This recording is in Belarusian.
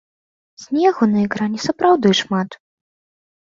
Снегу на экране сапраўды шмат.